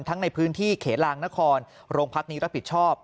ในพื้นที่เขลางนครโรงพักนี้รับผิดชอบ